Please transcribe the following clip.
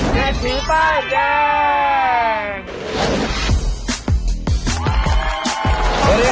เซธีป้ายแยง